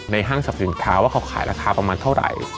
ห้างสรรพสินค้าว่าเขาขายราคาประมาณเท่าไหร่